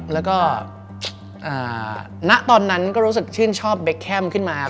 แล้วก็ณตอนนั้นก็รู้สึกชื่นชอบเบคแคมขึ้นมา